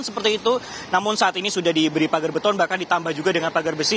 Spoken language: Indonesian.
seperti itu namun saat ini sudah diberi pagar beton bahkan ditambah juga dengan pagar besi